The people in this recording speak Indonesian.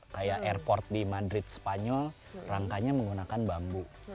kayak airport di madrid spanyol rangkanya menggunakan bambu